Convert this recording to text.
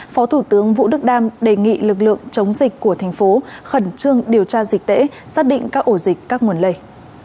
phó thủ tướng vũ đức đam đề nghị lực lượng chống dịch của thành phố khẩn trương điều tra dịch tễ xác định các ổ dịch các nguồn lây